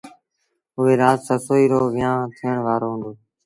اُئي رآت سسئيٚ رو ويهآݩ ٿيٚڻ وآرو هُݩدو۔